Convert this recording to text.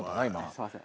すいません。